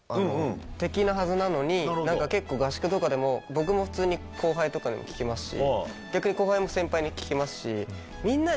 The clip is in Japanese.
敵のはずなのに結構合宿とかでも僕も普通に後輩とかにも聞きますし逆に後輩も先輩に聞きますし。